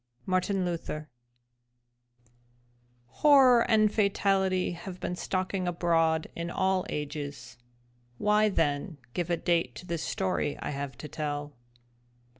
—Martin Luther Horror and fatality have been stalking abroad in all ages. Why then give a date to this story I have to tell?